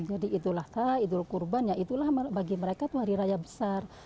jadi idul adha idul kurban ya itulah bagi mereka itu hari raya besar